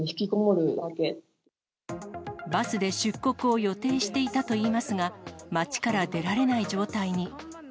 バスで出国を予定していたといいますが、町から出られない状態に。